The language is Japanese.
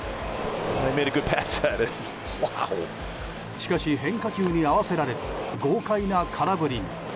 しかし、変化球に合わせられず豪快な空振りに。